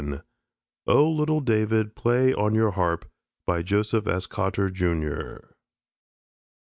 O LITTLE DAVID, PLAY ON YOUR HARP JOSEPH S. COTTER, JR.